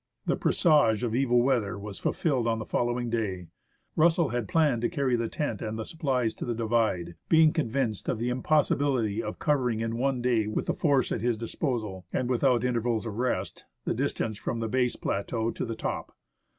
The presage of evil weather was fulfilled on the following day. Russell had planned to carry the tent and the supplies to the divide, being convinced of the impossibility of covering in one day with the force at his disposal, and without intervals of rest, the distance from the base plateau to the top.